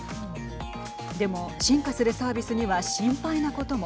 でも進化するサービスには心配なことも。